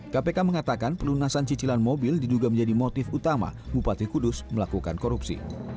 kpk mengatakan pelunasan cicilan mobil diduga menjadi motif utama bupati kudus melakukan korupsi